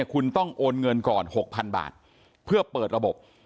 คุณต้องโอนเงินก่อน๖๐๐๐บาทเพื่อเปิดระบบ